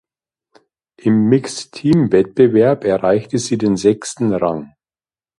Im Mixed-Team-Wettbewerb erreichte sie den sechsten Rang.